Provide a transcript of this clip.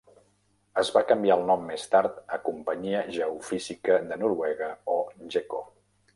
Es va canviar el nom més tard a Companyia Geofísica de Noruega o Geco.